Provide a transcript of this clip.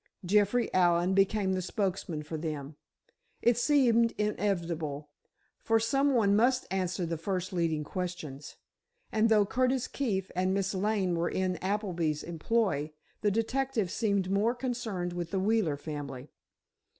Jeffrey Allen became the spokesman for them. It seemed inevitable—for some one must answer the first leading questions; and though Curtis Keefe and Miss Lane were in Appleby's employ, the detective seemed more concerned with the Wheeler family.